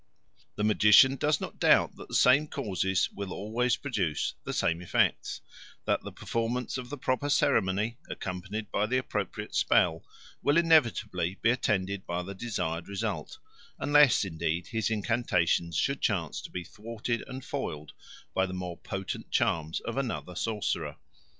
The magician does not doubt that the same causes will always produce the same effects, that the performance of the proper ceremony, accompanied by the appropriate spell, will inevitably be attended by the desired result, unless, indeed, his incantations should chance to be thwarted and foiled by the more potent charms of another sorcerer.